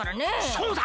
そうだ！